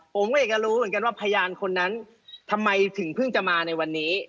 ผมก็อยากจะรู้เหมือนกันว่าพยานคนนั้นทำไมถึงเพิ่งจะมาในวันนี้